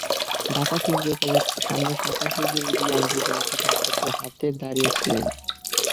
ঢাকা কেন্দ্রীয় কারাগারের সামনে সাকা চৌধুরীর দুই আইনজীবী আবেদনপত্র হাতে দাঁড়িয়ে ছিলেন।